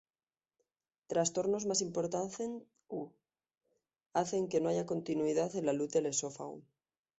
Trastornos más importantes hacen que no haya continuidad en la luz del esófago.